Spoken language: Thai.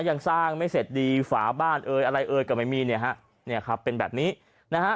ยังสร้างไม่เสร็จดีฝาบ้านเอ่ยอะไรเอ่ยก็ไม่มีเนี่ยฮะเนี่ยครับเป็นแบบนี้นะฮะ